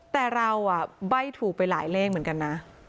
แต่เราใบ้ถูกไปหลายเลขเหมือนกันนะ